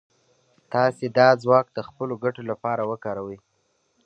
تاسې دا ځواک د خپلو ګټو لپاره وکاروئ.